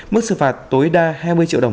mức sự phạt tối đa hai mươi triệu đồng